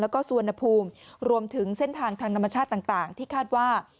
แล้วก็สุวรรณภูมิรวมถึงเส้นทางทางธรรมชาติต่างที่คาดว่า